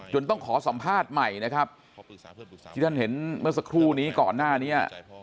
ต้องขอสัมภาษณ์ใหม่นะครับที่ท่านเห็นเมื่อสักครู่นี้ก่อนหน้านี้